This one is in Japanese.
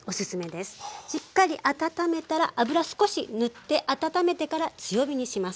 しっかり温めたら油少し塗って温めてから強火にします。